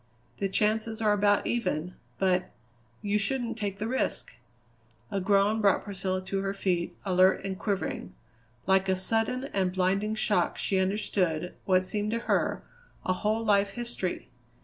The chances are about even; but you shouldn't take the risk." A groan brought Priscilla to her feet, alert and quivering. Like a sudden and blinding shock she understood, what seemed to her, a whole life history.